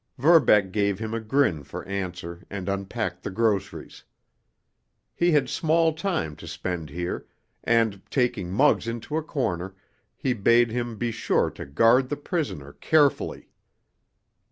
Verbeck gave him a grin for answer and unpacked the groceries. He had small time to spend here, and, taking Muggs into a corner, he bade him be sure to guard the prisoner carefully.